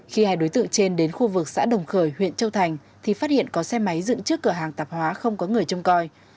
khi hai đối tượng trên đến khu vực xã đồng khởi huyện châu thành thì phát hiện có xe máy dựng trước cửa hàng tạp hóa không có người trông coi